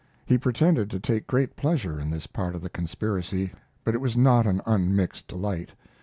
He pretended to take great pleasure in this part of the conspiracy, but it was not an unmixed delight.